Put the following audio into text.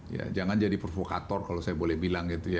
ya jangan jadi provokator kalau saya boleh bilang gitu ya